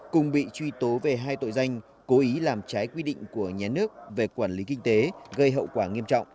cùng bị truy tố về hai tội danh cố ý làm trái quy định của nhà nước về quản lý kinh tế gây hậu quả nghiêm trọng